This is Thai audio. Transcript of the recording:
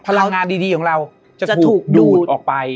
พลังงานดีของเราจะถูกดูดออกไป